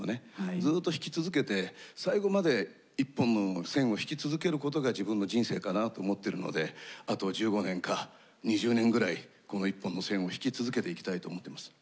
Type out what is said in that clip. ずっと引き続けて最後まで一本の線を引き続けることが自分の人生かなと思ってるのであと１５年か２０年ぐらいこの一本の線を引き続けていきたいと思ってます。